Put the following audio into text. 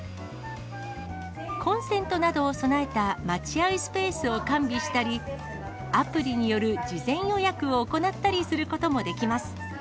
コンセントなどを備えた待合スペースを完備したり、アプリによる事前予約を行ったりすることもできます。